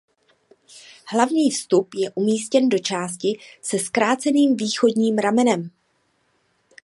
Hlavní vstup je umístěn do části se zkráceným východním ramenem.